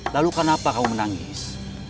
lalu kenapa kamu menangis